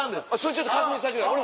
ちょっと確認させてください